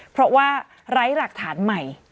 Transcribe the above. เพราะว่าไร้หลักฐานใหม่